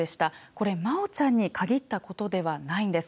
これまおちゃんに限ったことではないんです。